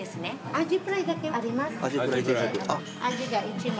アジフライだけあります。